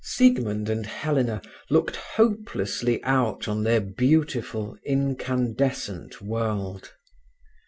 Siegmund and Helena looked hopelessly out on their beautiful, incandescent world.